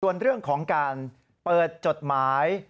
ส่วนเรื่องของการเปิดจดหมาย